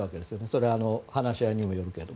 それは話し合いにもよるけれど。